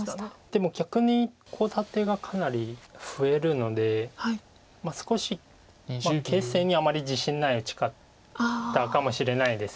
でも逆にコウ立てがかなり増えるので少し形勢にあまり自信ない打ち方かもしれないです。